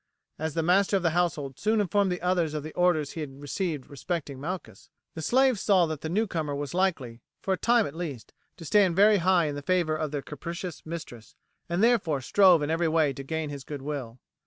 As the master of the household soon informed the others of the orders he had received respecting Malchus, the slaves saw that the newcomer was likely, for a time at least, to stand very high in the favour of their capricious mistress, and therefore strove in every way to gain his goodwill.